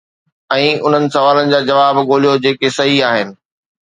۽ انهن سوالن جا جواب ڳوليو جيڪي صحيح آهن